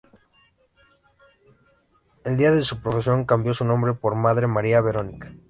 El día de su profesión cambió su nombre por Madre María Verónica.